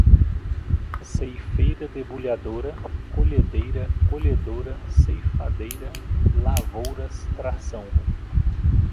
ceifeira debulhadora, colhedeira, colhedora, ceifadeira, lavouras, tração